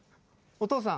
お父さん。